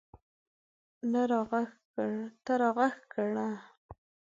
ته راږغ کړه